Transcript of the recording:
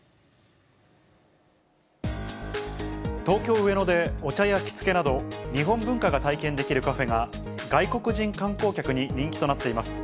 東京・上野で、お茶や着付けなど、日本文化が体験できるカフェが、外国人観光客に人気となっています。